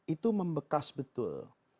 itu membekas betul